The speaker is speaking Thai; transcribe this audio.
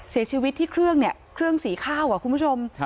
เสียชีวิตที่เครื่องเนี่ยเครื่องศรีข้าวค่ะคุณผู้ชม